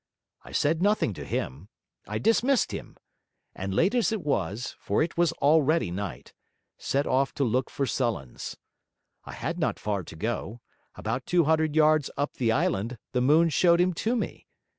I said nothing to him; I dismissed him; and late as it was, for it was already night, set off to look for Sullens. I had not far to go: about two hundred yards up the island, the moon showed him to me.